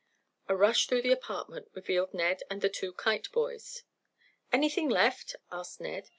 A rush through the apartment revealed Ned and the two kite boys. "Anything left?" asked Ned.